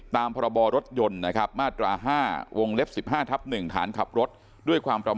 ทางกรมการขนส่งทางบกบอกว่า